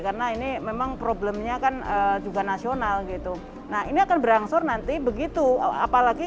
karena ini memang problemnya kan juga nasional gitu nah ini akan berangsur nanti begitu apalagi